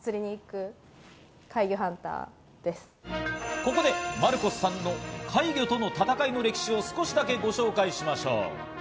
ここでマルコスさんの怪魚との戦いの歴史を少しだけご紹介しましょう。